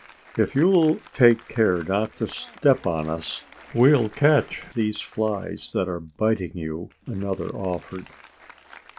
"If you'll take care not to step on us we'll catch these flies that are biting you," another offered.